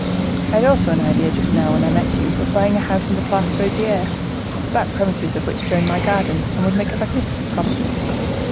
I had also an idea just now, when I met you, of buying a house in the Place Baudoyer, the back premises of which join my garden, and would make a magnificent property.